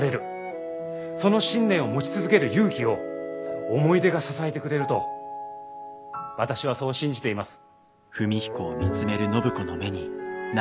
その信念を持ち続ける勇気を思い出が支えてくれると私はそう信じています。